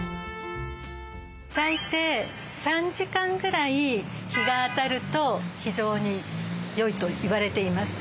最低３時間くらい日が当たると非常に良いと言われています。